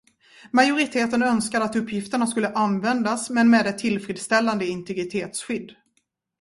Majoriteten önskade att uppgifterna skulle användas men med ett tillfredsställande integritetsskydd.